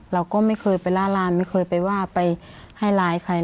เราก็ไม่เคยไปล่าลานไม่เคยไปว่าไปให้ร้ายใคร